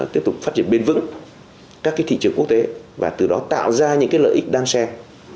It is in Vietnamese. tiếp tục phát triển bền vững các cái thị trường quốc tế và từ đó tạo ra những cái lợi ích đang xem